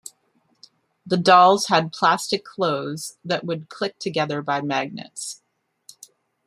The dolls had plastic clothes that would click together by magnets.